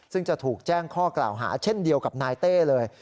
ซึ่งจะถูกแจ้งข้อกล่าวหาเช่นเดียวกับนายเต้เลย